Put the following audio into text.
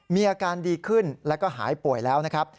มีอาการดีขึ้นแล้วก็หายป่วยแล้วนะครับ